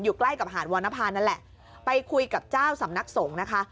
ใกล้กับหาดวรรณภานั่นแหละไปคุยกับเจ้าสำนักสงฆ์นะคะ